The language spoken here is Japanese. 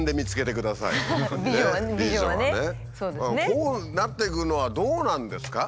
こうなっていくのはどうなんですか？